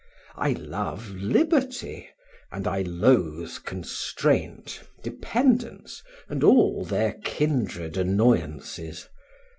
I love liberty, and I loathe constraint, dependence, and all their kindred annoyances.